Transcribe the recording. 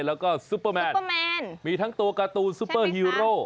แล้วก็ซุปเปอร์แมนมีทั้งตัวการ์ตูนซุปเปอร์ฮีโร